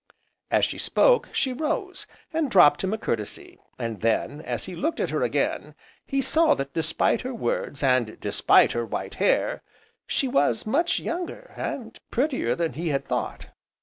As she spoke, she rose, and dropped him a courtesy, and then, as he looked at her again, he saw that despite her words, and despite her white hair, she was much younger, and prettier than he had thought.